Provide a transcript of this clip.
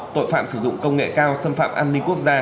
tội phạm sử dụng công nghệ cao xâm phạm an ninh quốc gia